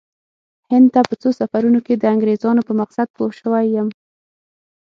هند ته په څو سفرونو کې د انګریزانو په مقصد پوه شوی یم.